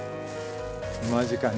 間近に。